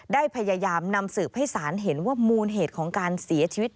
ได้พยายามนำสืบให้ศาลเห็นว่ามูลเหตุของการเสียชีวิต